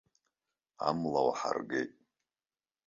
Амла уаҳаргеит!